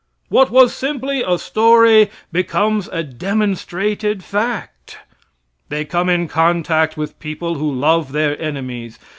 What was simply a story becomes a demonstrated fact. They come in contact with people who love their enemies.